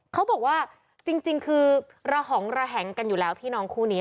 เขาบอกว่าจริงคือระหองระแหงกันอยู่แล้วพี่น้องคู่นี้